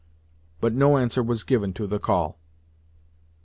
But no answer was given to the call.